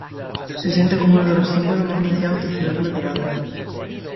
Se tiene como uno de los símbolos más preciados de "Ciudad Plateada".